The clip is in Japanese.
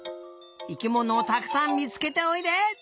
生きものをたくさんみつけておいで！